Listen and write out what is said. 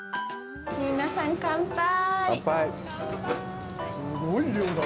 皆さん、乾杯。